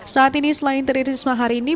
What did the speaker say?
saat ini selain tri risma hari ini